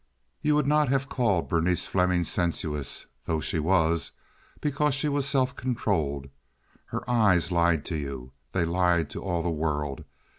You would not have called Berenice Fleming sensuous—though she was—because she was self controlled. Her eyes lied to you. They lied to all the world.